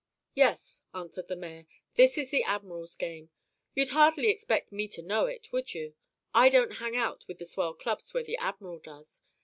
"Yes," answered the mayor, "this is the admiral's game. You'd hardly expect me to know it, would you? I don't hang out at the swell clubs where the admiral does.